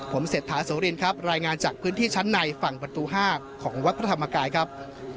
ผมเศรษฐาโสรินครับรายงานจากพื้นที่ชั้นในฝั่งประตู๕ของวัดพระธรรมกายครับ